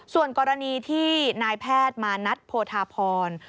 ส่วนกรณีที่นายแพทย์มานัทโพธาพร